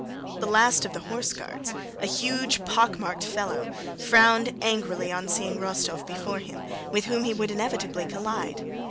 The last of the Horse Guards, a huge pockmarked fellow, frowned angrily on seeing Rostóv before him, with whom he would inevitably collide.